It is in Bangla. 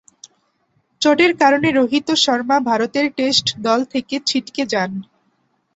চোটের কারণে রোহিত শর্মা ভারতের টেস্ট দল থেকে ছিটকে যান।